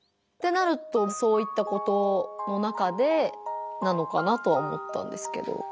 ってなるとそういったことの中でなのかなとは思ったんですけど。